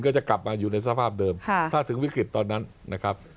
จะกลับมาอยู่ในสภาพเดิมถ้าถึงวิกฤตตอนนั้นนะครับ